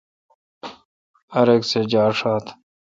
ار اک سہ جار تھال۔